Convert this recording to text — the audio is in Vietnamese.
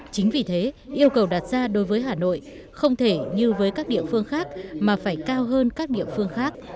chính vì thế yêu cầu đặt ra đối với hà nội không thể như với các địa phương khác mà phải cao hơn các địa phương khác